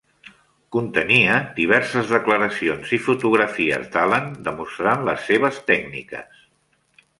Contenia diverses declaracions i fotografies d'Allen demostrant les seves tècniques.